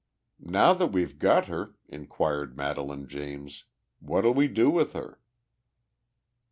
"Now that we've got her," inquired Madelaine James, "what'll we do with her?"